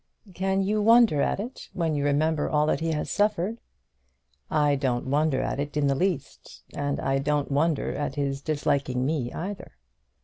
"Can you wonder at it, when you remember all that he has suffered?" "I don't wonder at it in the least; and I don't wonder at his disliking me either."